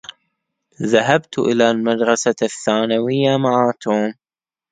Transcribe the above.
ذهبت إلى المدرسة الثانوية مع توم.